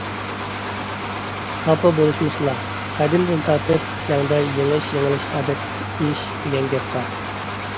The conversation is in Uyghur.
خاپا بولۇشمىسىلا. قەدىمدىن تارتىپ «جەڭدە يېڭىش - يېڭىلىش ئادەتتىكى ئىش» دېگەن گەپ بار.